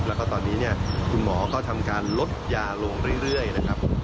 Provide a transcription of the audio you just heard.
แล้วก็ตอนนี้เนี่ยคุณหมอก็ทำการลดยาลงเรื่อยนะครับผม